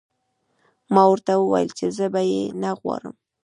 ما ورته وویل چې زه یې نه غواړم